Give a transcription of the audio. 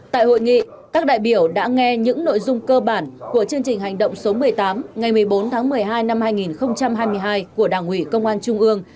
tại hội nghị các đại biểu đã nghe những nội dung cơ bản của chương trình hành động số một mươi tám ngày một mươi bốn tháng một mươi hai năm hai nghìn hai mươi hai của đảng ủy công an trung ương